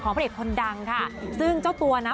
พระเอกคนดังค่ะซึ่งเจ้าตัวนะ